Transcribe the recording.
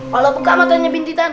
kalau kak matanya binti tan